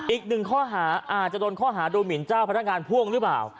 อีกหนึ่งข้อหาอาจจะโดนข้อหาดูหมินเจ้าพนักงานพ่วงหรือเปล่า